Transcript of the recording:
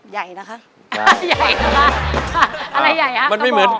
ใหญ่นะคะใยนะคะอะไรใหญ่ค่ะกระบอกไม่เหมือน